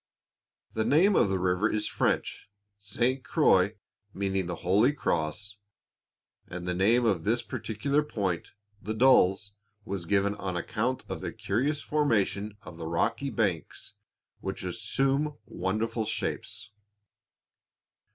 The name of the river is French, "Sainte Croix," meaning "The holy cross," and the name of this particular point, the "Dalles," was given on account of the curious formation of the rocky banks, which assume wonderful shapes.